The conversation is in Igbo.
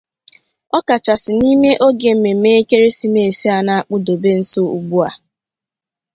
ọkachasị n'ime oge mmemme ekeresimesi a na-akpụdobe nso ugbua